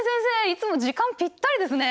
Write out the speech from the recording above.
いつも時間ぴったりですね。